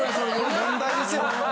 問題ですよ！